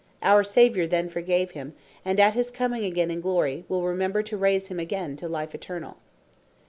Our Saviour then forgave him; and at his comming againe in Glory, will remember to raise him againe to Life Eternall.